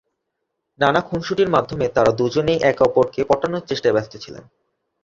নানা খুনসুটির মাধ্যমে তাঁরা দুজনই একে অপরকে পটানোর চেষ্টায় ব্যস্ত ছিলেন।